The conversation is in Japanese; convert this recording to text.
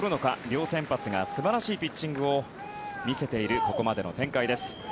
両先発が素晴らしいピッチングを見せているここまでの展開です。